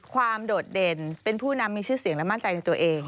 โดดเด่นเป็นผู้นำมีชื่อเสียงและมั่นใจในตัวเอง